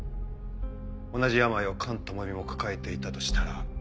同じ病を菅朋美も抱えていたとしたら。